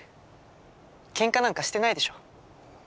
ケンカなんかしてないでしょ。